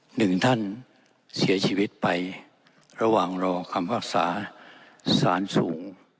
หนึ่งท่านเสียชีวิตไประหว่างรอคำพิพากษาสารสูง